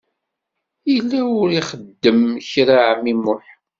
Yella ur ixeddem kra ɛemmi Muḥ.